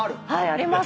あります。